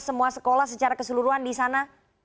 semua sekolah secara keseluruhan di sana